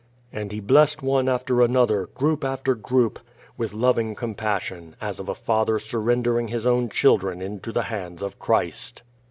And he blessed one after another, group after group, with loving compassion, as of a father surrendering his own chil dren into the hands of Christ.